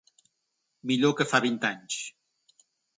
Millor que fa vint anys.